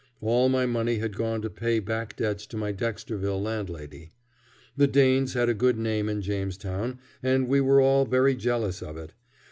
All my money had gone to pay back debts to my Dexterville landlady. The Danes had a good name in Jamestown, and we were all very jealous of it.